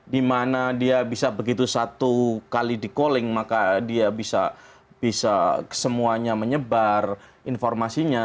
dimana dia bisa begitu satu kali di calling maka dia bisa semuanya menyebar informasinya